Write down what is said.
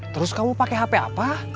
terus kamu pakai hp apa